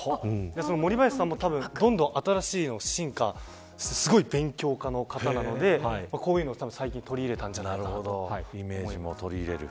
森林さんも、どんどん新しい進化すごい勉強家の方なのでこういうのを最近取り入れたんじゃないかと思います。